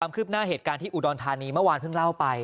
คืบหน้าเหตุการณ์ที่อุดรธานีเมื่อวานเพิ่งเล่าไป